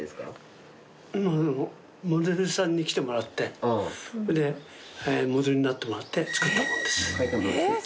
モデルさんに来てもらってモデルになってもらって作ったものです。